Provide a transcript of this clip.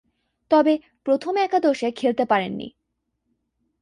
তবে, প্রথম একাদশে খেলতে পারেননি।